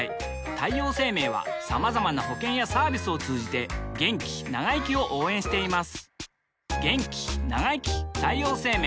太陽生命はまざまな保険やサービスを通じて気長生きを応援しています